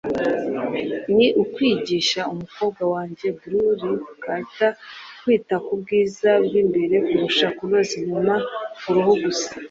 ni uwkigisha umukobwa wanjye Blue Ivy Carter kwita ku bwiza bw’imbere kurusha kunoza inyuma ku ruhu gusa